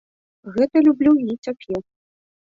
Гэта люблю і цяпер.